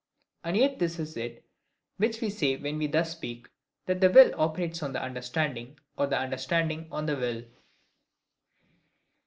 And yet this is it which we say when we thus speak, that the will operates on the understanding, or the understanding on the will.